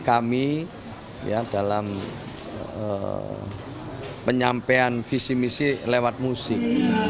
mempilih kami dalam penyampaian visi visi lewat musik